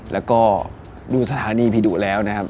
แล้วก็ดูสถานีผีดุแล้วนะครับ